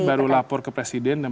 baru lapor ke presiden